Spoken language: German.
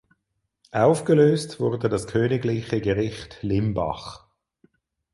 Aufgelöst wurde das Königliche Gericht Limbach.